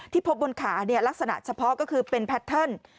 พบบนขาลักษณะเฉพาะก็คือเป็นแพทเทิร์น